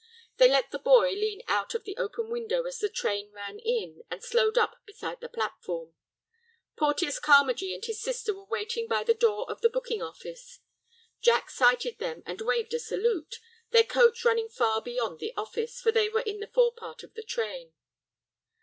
They let the boy lean out of the open window as the train ran in and slowed up beside the platform. Porteus Carmagee and his sister were waiting by the door of the booking office. Jack sighted them and waved a salute, their coach running far beyond the office, for they were in the forepart of the train.